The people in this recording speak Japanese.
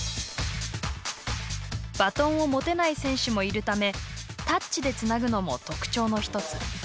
バトンを持てない選手もいるためタッチでつなぐのも特徴の一つ。